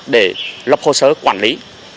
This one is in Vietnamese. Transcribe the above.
để lập hồ sơ quản lý